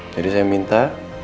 jadi saya minta